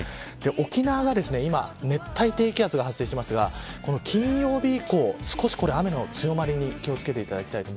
沖縄が今熱帯低気圧が発生していますが金曜日以降、少し雨の強まりに気を付けてください。